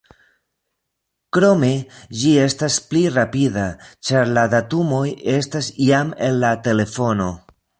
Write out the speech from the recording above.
Krome ĝi estas pli rapida, ĉar la datumoj estas jam en la telefono.